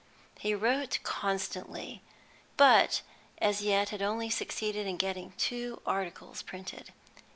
He wrote constantly, but as yet had only succeeded in getting two articles printed.